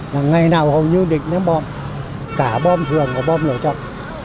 là ngày nào hầu như địch ném bơm cả bơm thường là bơm lộ trọng